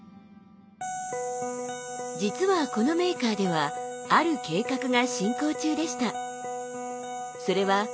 実はこのメーカーではある計画が進行中でした。